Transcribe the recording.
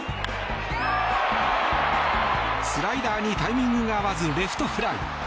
スライダーにタイミングが合わずレフトフライ。